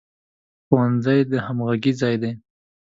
ښوونځی د همغږۍ ځای دی